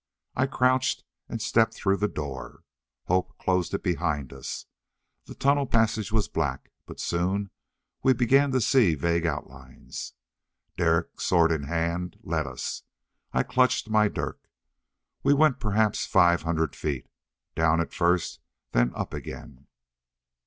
I crouched and stepped through the door. Hope closed it behind us. The tunnel passage was black, but soon we began to see its vague outlines. Derek, sword in hand, led us. I clutched my dirk. We went perhaps five hundred feet. Down at first, then up again.